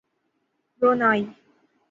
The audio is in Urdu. برونائی